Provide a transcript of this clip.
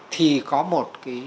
thì có một